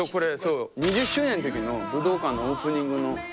２０周年の時の武道館のオープニングの。